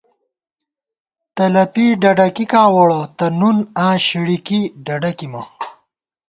تلَپی ڈَڈَکِکاں ووڑَہ تہ نُن آں شِڑِکی ڈَڈَکِمہ